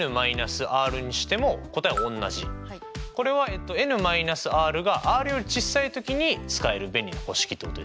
これはｎ−ｒがｒより小さい時に使える便利な公式ってことですよね。